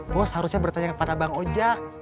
bos harusnya bertanya kepada bang ojek